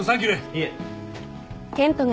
いえ。